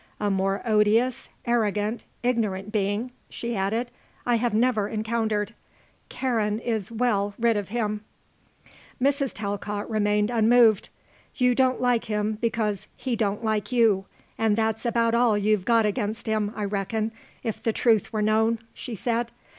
A more odious, arrogant, ignorant being," she added, "I have never encountered. Karen is well rid of him." Mrs. Talcott remained unmoved. "You don't like him because he don't like you and that's about all you've got against him, I reckon, if the truth were known," she said.